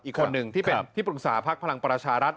อีกคนหนึ่งที่เป็นที่ปรึกษาพักพลังประชารัฐ